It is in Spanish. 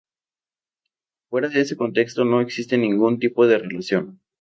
Fuera de ese contexto no existe ningún tipo de relación.